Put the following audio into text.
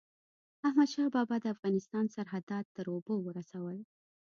احمدشاه بابا د افغانستان سرحدات تر اوبو ورسول.